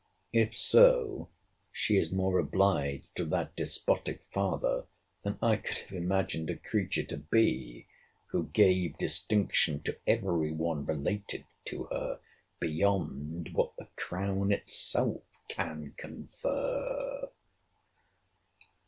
If so, she is more obliged to that despotic father than I could have imagined a creature to be, who gave distinction to every one related to her beyond what the crown itself can confer.